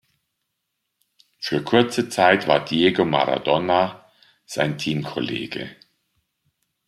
Für kurze Zeit war Diego Maradona sein Teamkollege.